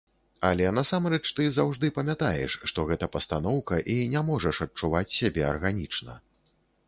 Але насамрэч ты заўжды памятаеш, што гэта пастаноўка і не можаш адчуваць сябе арганічна.